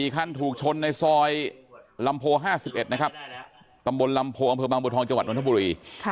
คันถูกชนในซอยลำโพ๕๑นะครับตำบลลำโพอำเภอบางบัวทองจังหวัดนทบุรี